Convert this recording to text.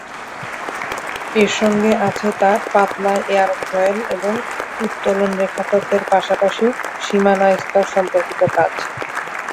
এর সঙ্গে আছে তাঁর পাতলা-এয়ারফয়েল এবং উত্তোলন-রেখা তত্ত্বের পাশাপাশি সীমানা স্তর সম্পর্কিত কাজ।